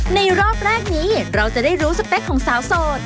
รอบแรกนี้เราจะได้รู้สเปคของสาวโสด